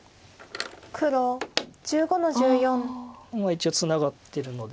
一応ツナがってるので。